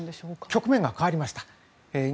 局面が変わりました。